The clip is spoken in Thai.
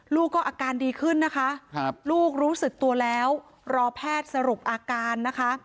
ลูกก็อาการดีขึ้นนะคะลูกรู้สึกตัวแล้วรอแพทย์สรุปอาการนะคะ